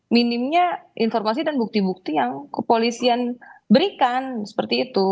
minimnya informasi dan bukti bukti yang kepolisian berikan seperti itu